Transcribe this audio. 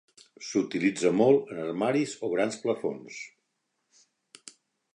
S’utilitza molt en armaris o grans plafons.